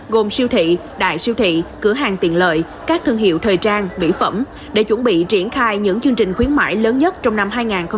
gồm siêu thị đại siêu thị cửa hàng tiện lợi các thương hiệu thời trang mỹ phẩm để chuẩn bị triển khai những chương trình khuyến mại lớn nhất trong năm hai nghìn hai mươi bốn